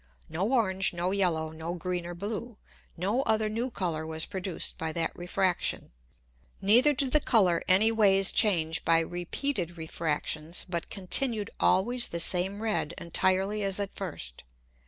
No orange, no yellow, no green or blue, no other new Colour was produced by that Refraction. Neither did the Colour any ways change by repeated Refractions, but continued always the same red entirely as at first.